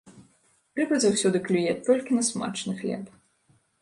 Рыба заўсёды клюе толькі на смачны хлеб.